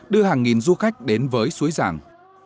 đưa hàng nghìn du khách đến với suối giang